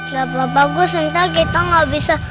gak apa apa gus ntar kita gak bisa